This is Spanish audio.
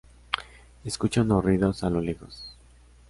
Escuchas unos ruidos a lo lejos.